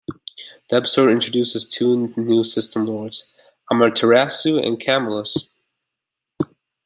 The episode introduces two new System Lords, Amaterasu and Camulus.